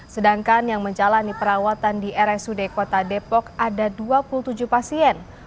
sedangkan yang menjalani perawatan di rsud kota depok ada dua puluh tujuh pasien